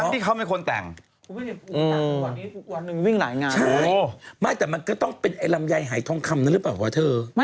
แต่เขาอาจไปร้องขั้น๕๑๐๐๐๐บาท